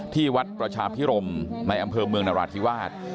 ที่วัดประชาพิรมในอำเภอเมืองนราธิวาส